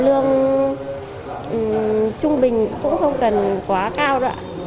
nhưng trung bình cũng không cần quá cao